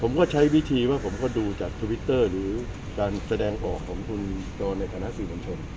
ผมก็ใช้วิธีว่าผมก็ดูจากทวิตเตอร์หรือการแสดงออกของคุณโจรในฐานะสื่อมวลชน